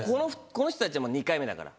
この人たちは２回目だから。